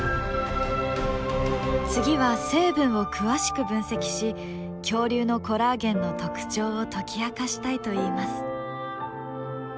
次は成分を詳しく分析し恐竜のコラーゲンの特徴を解き明かしたいといいます。